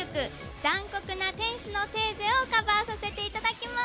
「残酷な天使のテーゼ」をカバーさせていただきます！